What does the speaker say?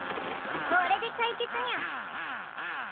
これで解決ニャ。